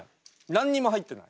何にも入ってない。